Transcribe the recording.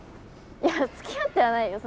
いやつきあってはないよ